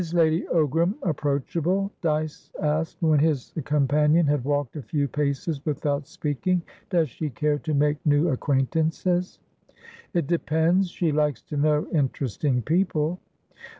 "Is Lady Ogram approachable?" Dyce asked, when his companion had walked a few paces without speaking. "Does she care to make new acquaintances?" "It depends. She likes to know interesting people."